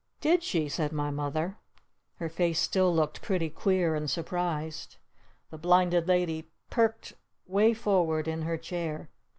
"Did she?" said my Mother. Her face still looked pretty queer and surprised. The Blinded Lady perked way forward in her chair.